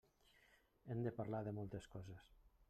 Hem de parlar de moltes coses.